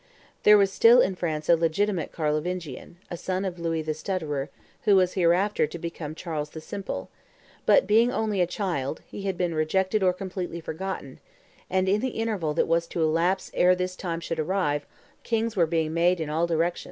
There was still in France a legitimate Carlovingian, a son of Louis the Stutterer, who was hereafter to become Charles the Simple; but being only a child, he had been rejected or completely forgotten, and, in the interval that was to elapse ere his time should arrive, kings were being made in all directions.